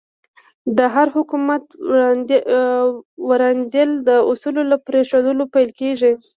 د هر حکومت ورانېدل د اصولو له پرېښودلو پیل کېږي.